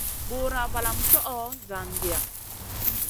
Bùra valam ma tchoho zangiya.